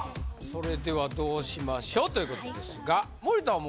それではどうしましょうということですが森田は